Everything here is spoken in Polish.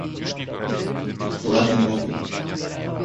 "Jaki to ładny pokój!"